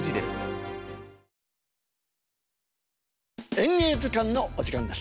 「演芸図鑑」のお時間です。